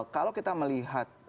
kalau kita melihat